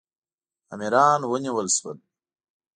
امیران ونیول شول.